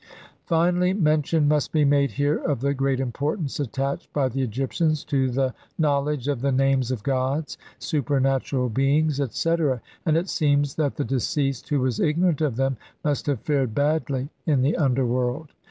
CLXV Finally, mention must be made here of the great importance attached by the Egyptians to the know ledge of the names of gods, supernatural beings, etc., and it seems that the deceased who was ignorant of them must have fared badly in the underworld.